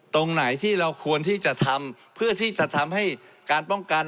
ตรงไหนที่เราควรที่จะทำเพื่อที่จะทำให้การป้องกัน